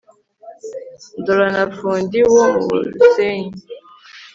Ndora na Fundi wo mu Rusenyi